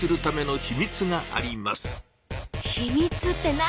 秘密って何？